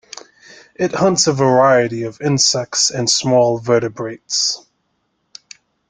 It hunts a variety of insects and small vertebrates.